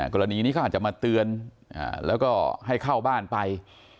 กรณีนี้เขาอาจจะมาเตือนแล้วก็ให้เข้าบ้านไป